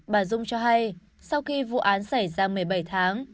bà dung cho hay sau khi vụ án xảy ra một mươi bảy tháng